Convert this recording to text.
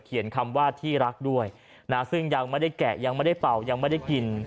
คำว่าที่รักด้วยนะซึ่งยังไม่ได้แกะยังไม่ได้เป่ายังไม่ได้กิน